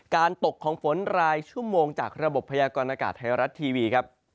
ตกของฝนรายชั่วโมงจากระบบพยากรณากาศไทยรัฐทีวีครับ